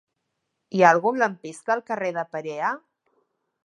Hi ha algun lampista al carrer de Perea?